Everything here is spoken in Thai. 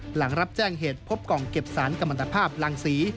หลังรับแจ้งเหตุพบกล่องเก็บสารกรรมตภาพรังศรี